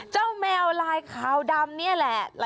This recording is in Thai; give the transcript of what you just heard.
แมวลายขาวดำนี่แหละ